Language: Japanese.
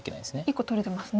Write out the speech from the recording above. １個取れてますね。